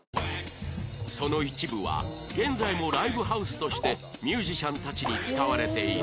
その一部は現在もライブハウスとしてミュージシャンたちに使われている